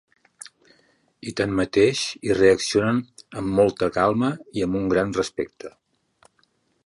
I, tanmateix, hi reaccionen amb molta calma i amb un gran respecte.